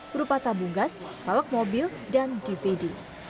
berupa tabung gas balok mobil dan dvd